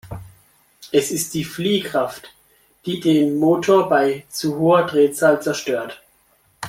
Es ist die Fliehkraft, die den Motor bei zu hoher Drehzahl zerstört.